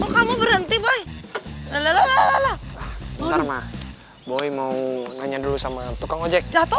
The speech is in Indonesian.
kamu berhenti boy lelah lelah lelah lelah lelah ma boy mau nanya dulu sama tukang ojek jatuh